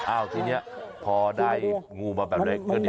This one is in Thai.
ทีนี้พอได้งูมาแบบนี้